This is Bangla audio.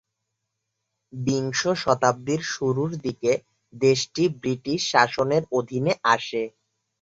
বিংশ শতাব্দীর শুরুর দিকে দেশটি ব্রিটিশ শাসনের অধীনে আসে।